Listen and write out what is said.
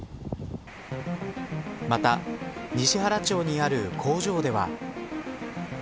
また、西原町にある工場では。